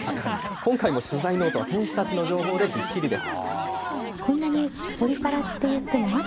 今回も取材ノートは、選手たちの情報でびっしりです。